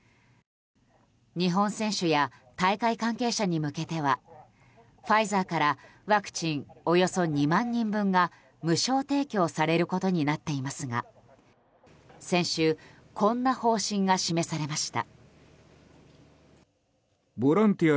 日本選手や大会関係者に向けてはファイザーからワクチンおよそ２万人分が無償提供されることになっていますが先週、こんな方針が示されました。